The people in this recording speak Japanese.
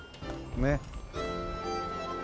ねっ。